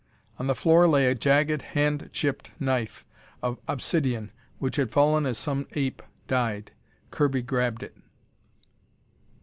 On the floor lay a jagged, hand chipped knife of obsidion which had fallen as some ape died. Kirby grabbed it.